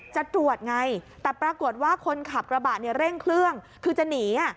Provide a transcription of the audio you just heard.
จะตรวจไงแต่ปรากฏว่าคนขับกระบะเนี่ยเร่งเครื่องคือจะหนี